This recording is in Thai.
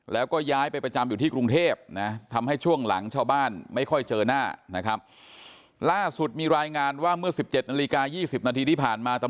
แล้วก็ย้ายไปประจำอยู่ที่กรุงเทพ